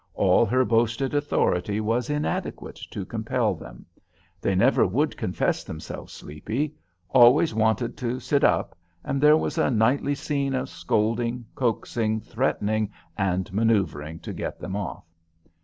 All her boasted authority was inadequate to compel them; they never would confess themselves sleepy; always wanted to "sit up," and there was a nightly scene of scolding, coaxing, threatening and manoeuvring to get them off.